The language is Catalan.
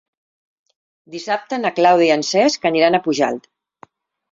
Dissabte na Clàudia i en Cesc aniran a Pujalt.